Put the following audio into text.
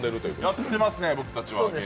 やってますね、僕たちは。